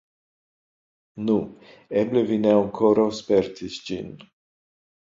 Nu, eble vi ne ankoraŭ spertis ĝin.